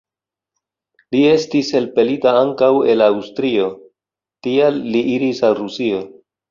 Li estis elpelita ankaŭ el Aŭstrio, tial li iris al Rusio.